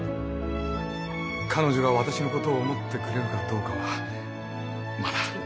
彼女が私のことを思ってくれるかどうかはまだ。